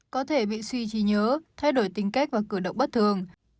có thể bị suy trí nhớ thay đổi tính cách và cử động bất thường